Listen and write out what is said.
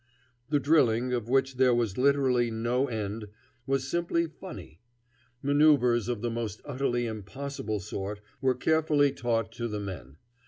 The drilling, of which there was literally no end, was simply funny. Maneuvers of the most utterly impossible sort were carefully taught to the men.